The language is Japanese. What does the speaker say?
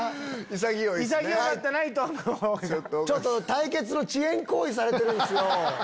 対決の遅延行為されてるんですよ。